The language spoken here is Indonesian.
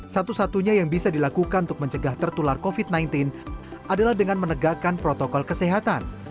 satu satunya yang bisa dilakukan untuk mencegah tertular covid sembilan belas adalah dengan menegakkan protokol kesehatan